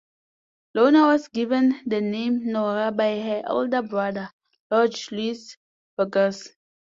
Leonor was given the name Norah by her older brother, Jorge Luis Borges.